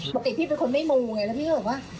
ปกติพี่เป็นคนไม่มูไงแล้วพี่ก็บอกว่า